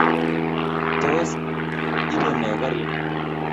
tos? Ibe nee karinii